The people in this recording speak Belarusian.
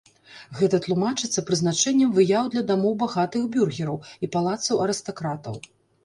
Гэта тлумачыцца прызначэннем выяў для дамоў багатых бюргераў і палацаў арыстакратаў.